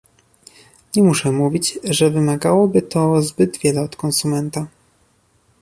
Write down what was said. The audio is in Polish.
Nie muszę mówić, że wymagałoby to zbyt wiele od konsumenta